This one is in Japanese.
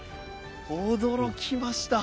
驚きました。